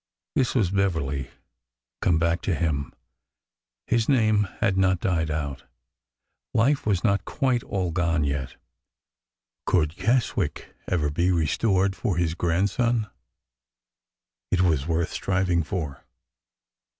This was Beverly come back to him. His name had not died out. Life was not quite all gone yet. Could Keswick ever be restored for his grandson? It was worth striving for.